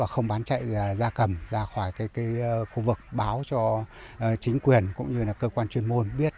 không bán chạy là gia cầm ra khỏi khu vực báo cho chính quyền cũng như cơ quan chuyên môn biết